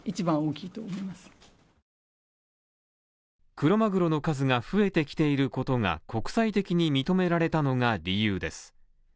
クロマグロの数が増えてきていることが国際的に認められたのが理由です。